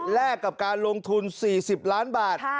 กับการลงทุน๔๐ล้านบาท